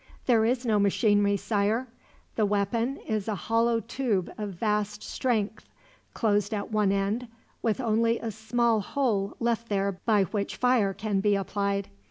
"There is no machinery, Sire. The weapon is a hollow tube of vast strength, closed at one end, with only a small hole left there by which fire can be applied.